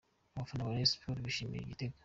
Abafana ba Rayon Sports bishimira igitego.